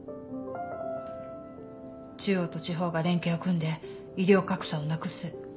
中央と地方が連携を組んで医療格差をなくす。